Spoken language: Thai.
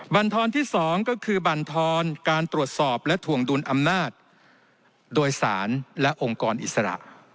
บรรทรที่๒ก็คือบรรทอนการตรวจสอบและถวงดุลอำนาจโดยสารและองค์กรอิสระ